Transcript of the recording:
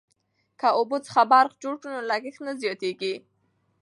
که اوبو څخه برق جوړ کړو نو لګښت نه زیاتیږي.